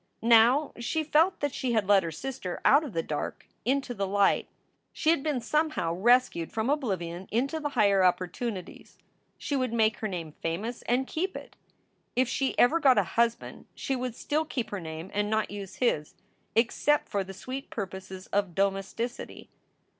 Now she felt that she had led her sister out of the dark into the light. She had been somehow rescued from oblivion into the higher opportunities. She would make her name famous and keep it. If she ever got a husband she would still keep her name and not use his, except for the sweet purposes of domesticity.